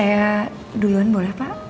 saya duluan boleh pak